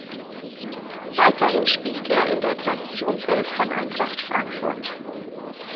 Weiterhin spielt er in der Traditions-Elf von Eintracht Frankfurt.